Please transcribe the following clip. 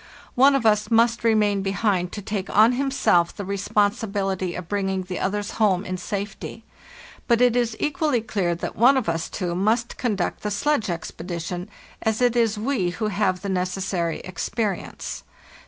One of us must remain be hind to take on himself the responsibility of bringing the others home in safety; but it is equally clear that one of us two must conduct the sledge expedition, as it is we who have the necessary experience.